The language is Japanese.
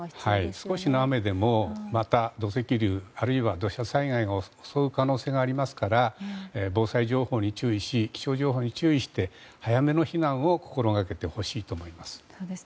少しの雨でもまた土石流、あるいは土砂災害が襲う可能性もありますから防災情報、気象情報に注意して早めの避難を心がけてほしいと思います。